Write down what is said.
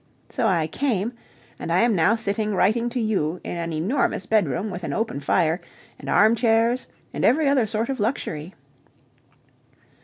So I came, and I am now sitting writing to you in an enormous bedroom with an open fire and armchairs and every other sort of luxury.